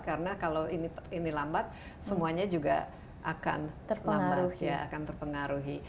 karena kalau ini lambat semuanya juga akan terpengaruhi